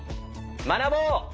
学ぼう！